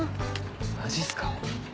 マジっすか？